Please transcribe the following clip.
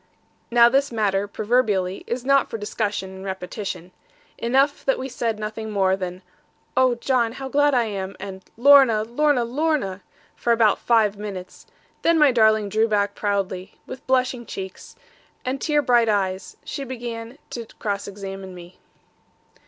Now this matter, proverbially, is not for discussion, and repetition. Enough that we said nothing more than, 'Oh, John, how glad I am!' and 'Lorna, Lorna Lorna!' for about five minutes. Then my darling drew back proudly, with blushing cheeks, and tear bright eyes, she began to cross examine me.